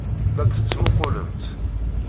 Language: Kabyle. La d-tettmuqqulemt.